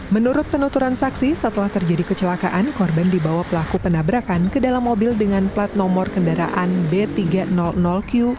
menurut penuturan saksi setelah terjadi kecelakaan korban dibawa pelaku penabrakan ke dalam mobil dengan plat nomor kendaraan b tiga ratus q